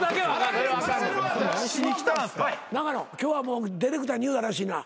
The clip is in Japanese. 永野今日はもうディレクターに言うたらしいな。